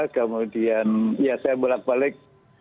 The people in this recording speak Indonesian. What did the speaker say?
kemudian ya saya bolak balik